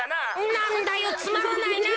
なんだよつまらないなぁ。